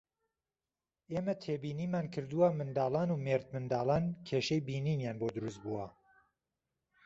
ئێمە تێبینیمان کردووە منداڵان و مێردمنداڵان کێشەی بینینیان بۆ دروستبووە